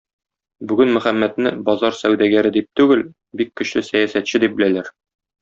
Бүген Мөхәммәдне базар сәүдәгәре дип түгел, бик көчле сәясәтче дип беләләр.